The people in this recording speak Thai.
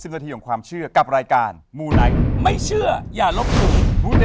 ซึ่งนาทีของความเชื่อกับรายการมูไนท์ไม่เชื่ออย่าลบหลู่